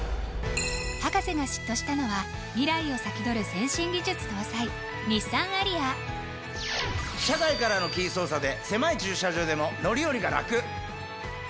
博士が嫉妬したのは未来を先取る先進技術搭載日産アリア車外からのキー操作で狭い駐車場でも乗り降りがラク！